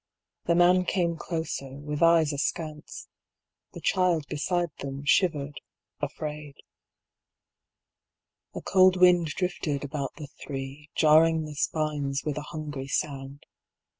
The man came closer, with eyes askance. The child beside them shivered, afraid. A cold wind drifted about the three, Jarring the spines with a hungry sound.